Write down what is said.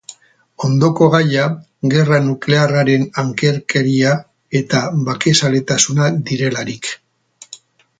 Ondoko gaia, gerra nuklearraren ankerkeria eta bakezaletasuna direlarik.